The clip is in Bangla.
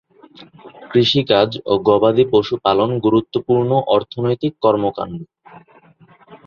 কৃষিকাজ ও গবাদি পশু পালন গুরুত্বপূর্ণ অর্থনৈতিক কর্মকাণ্ড।